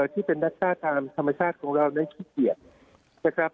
ที่เป็นนักชาติตามธรรมชาติของเรานั้นขี้เกียจนะครับ